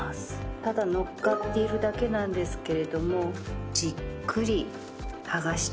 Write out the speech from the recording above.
ただ乗っかっているだけなんですけれどもじっくり剥がしていっています。